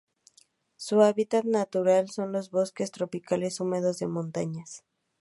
Su hábitat natural son los bosques tropicales húmedos de montaña